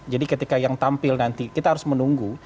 jadi ketika yang tampil nanti kita harus menunggu